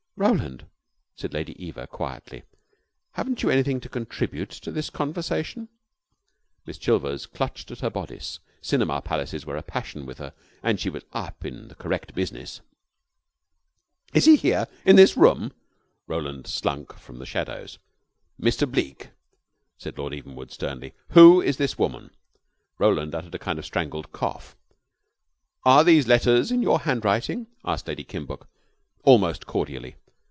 "Roland," said Lady Eva, quietly, "haven't you anything to contribute to this conversation?" Miss Chilvers clutched at her bodice. Cinema palaces were a passion with her, and she was up in the correct business. "Is he here? In this room?" Roland slunk from the shadows. "Mr. Bleke," said Lord Evenwood, sternly, "who is this woman?" Roland uttered a kind of strangled cough. "Are these letters in your handwriting?" asked Lady Kimbuck, almost cordially.